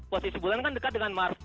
posisi bulan kan dekat dengan mars